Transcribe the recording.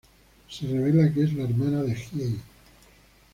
Se revela que es la hermana de Hiei.